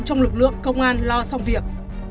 trong lực lượng công an lo xong việc